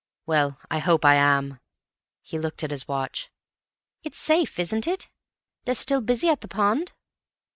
Well, I hope I am." He looked at his watch. "It's safe, is it? They're still busy at the pond?"